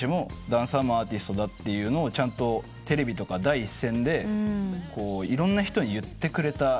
ダンサーもアーティストだというのをちゃんとテレビとか第一線でいろんな人に言ってくれた。